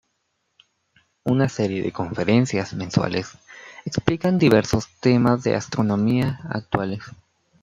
Una serie de conferencias mensuales explican diversos temas de astronomía actuales.